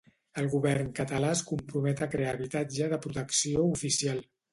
El govern català es compromet a crear habitatge de protecció oficial.